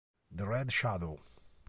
The Red Shadow